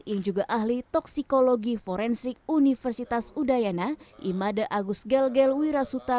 yang juga ahli toksikologi forensik universitas udayana imade agus gel gel wirasuta